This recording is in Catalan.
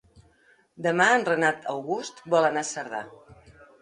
Demà en Renat August vol anar a Cerdà.